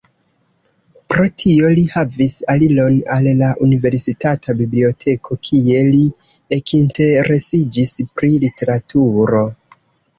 Pro tio li havis aliron al la universitata biblioteko kie li ekinteresiĝis pri literaturo.